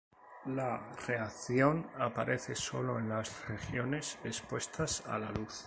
La reacción aparece solo en las regiones expuestas a la luz.